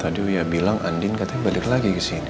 tadi uya bilang andien katanya balik lagi kesini